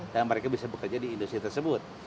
dan mereka bisa bekerja di industri tersebut